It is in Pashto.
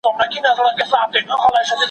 هغه هېواد چي اقتصاد يې قوي وي خوشحاله دی.